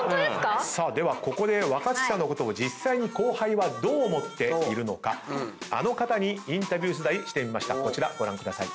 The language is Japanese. ではここで若槻さんのことを実際に後輩はどう思っているのかあの方にインタビュー取材してみましたこちらご覧ください。